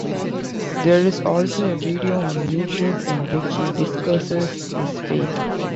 There is also a video on YouTube in which he discusses his faith.